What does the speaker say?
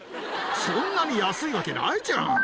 そんなに安いわけないじゃん！